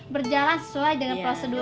berjalan sesuai dengan prosedur